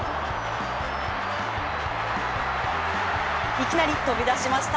いきなり飛び出しました